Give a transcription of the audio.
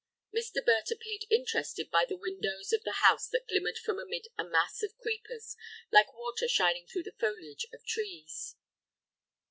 Mr. Burt appeared interested by the windows of the house that glimmered from amid a mass of creepers like water shining through the foliage of trees.